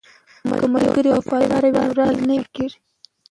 که ملګری وفادار وي نو راز نه افشا کیږي.